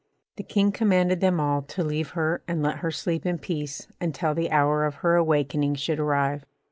The King commanded them all to leave her and let her sleep in peace until the hour of her awakening should arrive.